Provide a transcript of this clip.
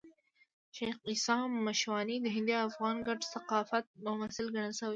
شېخ عیسي مشواڼي د هندي او افغاني ګډ ثقافت ممثل ګڼل سوى دئ.